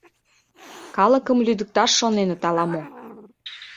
Калыкым лӱдыкташ шоненыт ала-мо.